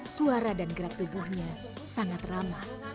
suara dan gerak tubuhnya sangat ramah